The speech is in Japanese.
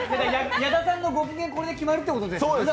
矢田さんのご機嫌これで決まるってことですもんね。